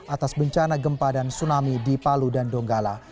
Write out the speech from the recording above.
atas bencana gempa dan tsunami di palu dan donggala